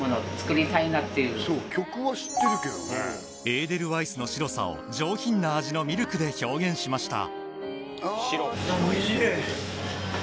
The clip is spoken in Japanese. エーデルワイスの白さを上品な味のミルクで表現しました